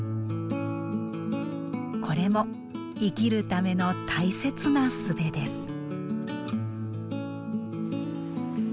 これも生きるための大切な術です。